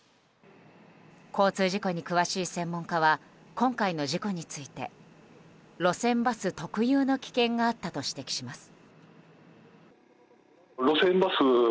交通事故に詳しい専門家は今回の事故について路線バス特有の危険があったと指摘します。